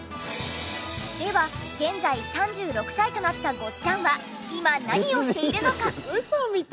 では現在３６歳となったごっちゃんは今何をしているのか？